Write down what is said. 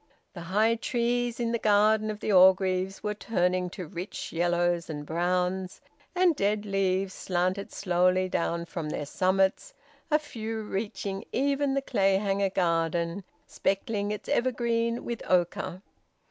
The high trees in the garden of the Orgreaves were turning to rich yellows and browns, and dead leaves slanted slowly down from their summits a few reaching even the Clayhanger garden, speckling its evergreen with ochre.